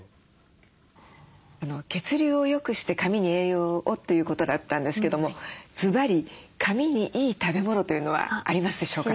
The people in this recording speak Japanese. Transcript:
血流をよくして髪に栄養をということだったんですけどもずばり髪にいい食べ物というのはありますでしょうか？